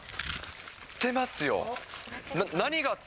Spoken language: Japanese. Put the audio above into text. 釣ってますよ。